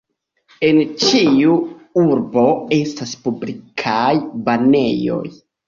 En ĉiu urbo estis publikaj banejoj.